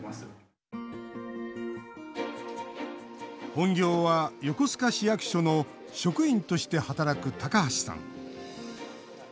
本業は、横須賀市役所の職員として働く高橋さん。